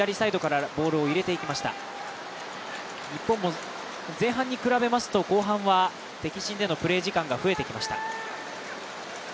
日本も前半に比べますと、後半は敵陣でのプレー時間が増えてきました。